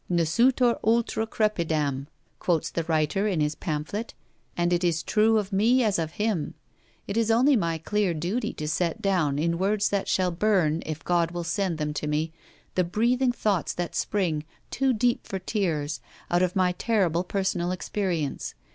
'Ne sutor ultra crepidam,' quotes the writer in his pamphlet; and it is true of me as of him. It is only my clear duty to set down, in words that shall burn, if God will send them to me, the breathing thoughts that spring, too deep for tears, out of my terrible personal experience.